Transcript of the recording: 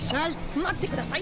待ってください。